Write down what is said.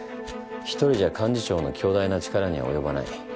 １人じゃ幹事長の強大な力には及ばない。